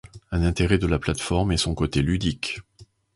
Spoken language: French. Un intérêt de la plate-forme est son côté ludique.